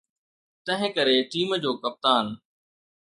تنهنڪري ٽيم جو ڪپتان.